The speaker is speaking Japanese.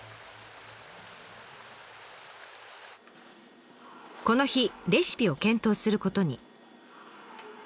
この日レシピを検討することに。